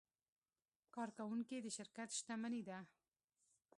کارکوونکي د شرکت شتمني ده.